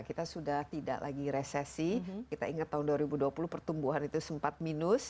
kita sudah tidak lagi resesi kita ingat tahun dua ribu dua puluh pertumbuhan itu sempat minus